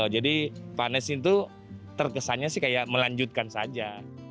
jadi pak anies itu terkesannya sih kayak melanjutkan saja